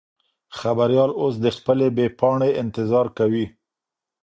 خبریال اوس د خپلې بې پاڼې انتظار کوي.